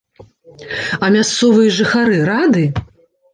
А мясцовыя жыхары рады?